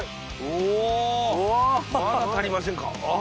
おまだ足りませんか。